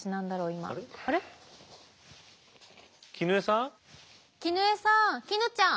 絹枝さん絹ちゃん。